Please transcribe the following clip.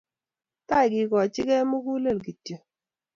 Tai kekoch kei mugulel kityo